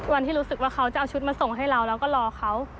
รู้สึกว่าเขาจะเอาชุดมาส่งให้เราแล้วก็รอเขา